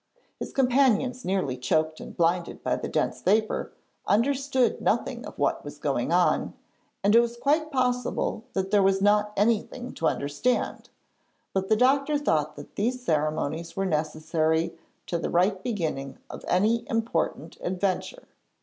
His companions, nearly choked and blinded by the dense vapour, understood nothing of what was going on, and it is quite possible that there was not anything to understand, but the doctor thought that these ceremonies were necessary to the right beginning of any important adventure.